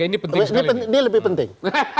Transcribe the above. ini lebih penting